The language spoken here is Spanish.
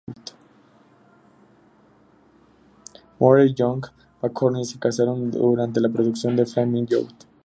Moore y John McCormick se casaron durante la producción de "Flaming Youth".